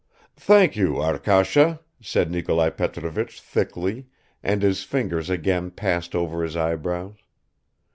"Thank you, Arkasha," said Nikolai Petrovich thickly, and his fingers again passed over his eyebrows.